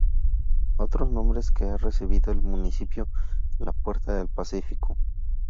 Otros nombres que ha recibido el municipio: La Puerta Del Pacífico.